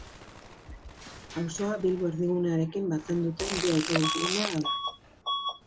Auzoa Bilbo erdigunearekin batzen duten bi autobus linea daude.